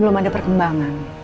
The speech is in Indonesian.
belum ada perkembangan